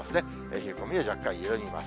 冷え込みは若干緩みます。